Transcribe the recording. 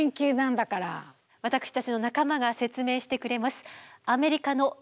私たちの仲間が説明してくれます。